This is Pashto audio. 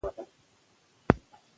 هغه وايي، نوي درمل اغېزمن دي.